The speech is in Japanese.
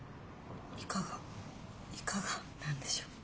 いかがいかがなんでしょうどう？